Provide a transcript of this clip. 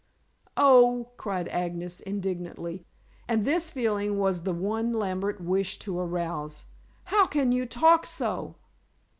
"Oh," cried Agnes indignantly, and this feeling was the one Lambert wished to arouse, "how can you talk so?"